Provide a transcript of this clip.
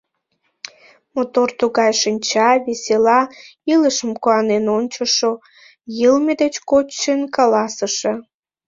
Мотор тугай шинча, весела, илышым куанен ончышо, йылме деч коч чын каласыше.